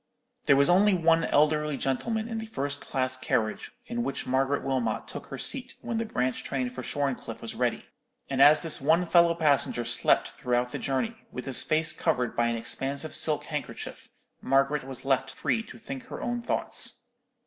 There was only one elderly gentleman in the first class carriage in which Margaret Wilmot took her seat when the branch train for Shorncliffe was ready; and as this one fellow passenger slept throughout the journey, with his face covered by an expansive silk handkerchief, Margaret was left free to think her own thoughts.